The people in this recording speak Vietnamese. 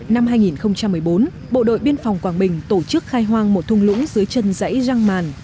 năm hai nghìn một mươi bốn bộ đội biên phòng quảng bình tổ chức khai hoang một thung lũng dưới chân dãy răng màn